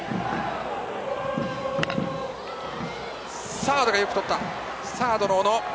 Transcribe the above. サードの小野、よくとった。